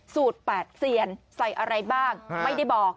สูตร๘เซียนใส่อะไรบ้างไม่ได้บอก